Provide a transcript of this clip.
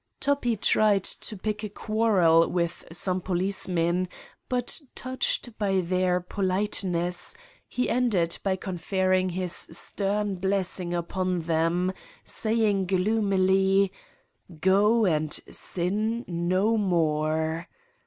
Toppi tried to pick a quarrel with some policemen, but, touched by their politeness, he ended by confer ring his stern blessing upon them, saying gloomily : "Go and sin no more."